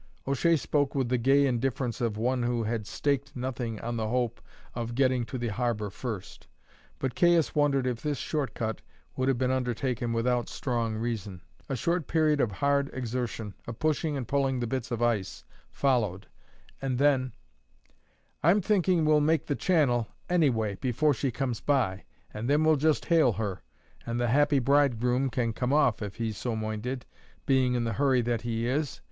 O'Shea spoke with the gay indifference of one who had staked nothing on the hope of getting to the harbour first; but Caius wondered if this short cut would have been undertaken without strong reason. A short period of hard exertion, of pushing and pulling the bits of ice, followed, and then: "I'm thinking we'll make the channel, any way, before she comes by, and then we'll just hail her, and the happy bridegroom can come off if he's so moinded, being in the hurry that he is.